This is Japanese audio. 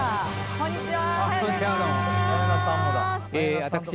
こんにちは。